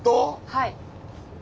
はい。